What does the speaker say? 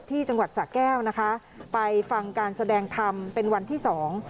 จังหวัดสะแก้วนะคะไปฟังการแสดงธรรมเป็นวันที่สอง